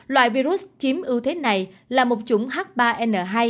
loại virus chiếm ưu thế này là một chủng h ba n hai